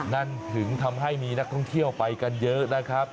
นั่นถึงทำให้มีนักท่องเที่ยวไปกันเยอะนะครับ